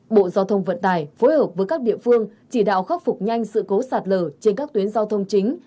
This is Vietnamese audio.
bộ giao thông vận tải phối hợp với các địa phương chỉ đạo khắc phục nhanh sự cố sạt lở trên các tuyến giao thông chính